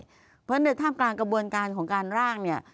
เพราะฉะนั้นในท่ามกลางกระบวนการของการร่างเนี่ย